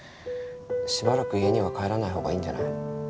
しばらく家には帰らない方がいいんじゃない？